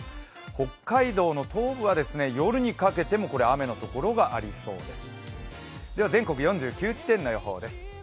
北海道の東部は夜にかけても雨の所がありそうです。